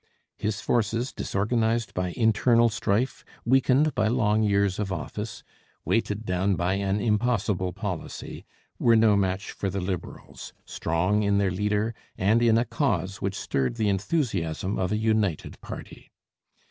His forces, disorganized by internal strife, weakened by long years of office, weighted down by an impossible policy, were no match for the Liberals, strong in their leader and in a cause which stirred the enthusiasm of a united party.